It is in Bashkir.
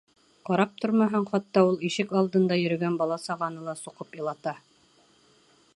Ҡарап тормаһаң, хатта ул ишек алдында йөрөгән бала-сағаны ла суҡып илата.